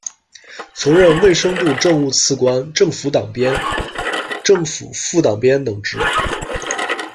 曾任卫生部政务次官、政府党鞭、政府副党鞭长等职。